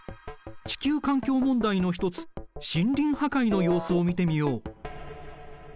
地球環境問題の一つ森林破壊の様子を見てみよう。